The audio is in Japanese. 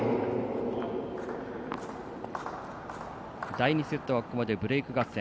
第２セットはここまでブレーク合戦。